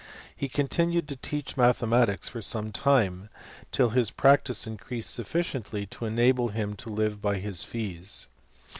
He continued to teach mathematics for some time, till his practice in > creased sufficiently to enable him to live by his fees.